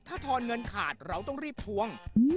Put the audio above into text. ถ้าทอนเงินขาดเราต้องรีบทวง